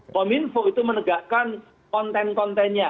kominfo itu menegakkan konten kontennya